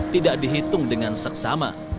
tidak dihitung dengan seksama